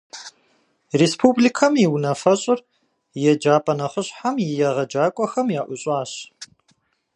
Республикэм и Унафэщӏыр еджапӏэ нэхъыщхьэм и егъэджакӏуэхэм яӏущӏащ.